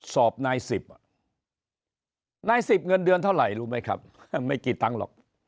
สอบนายสิบอ่ะนายสิบเงินเดือนเท่าไหร่รู้ไหมครับไม่กี่ตังค์หรอก